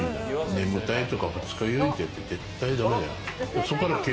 眠たいとか二日酔いって、絶対に駄目だよ。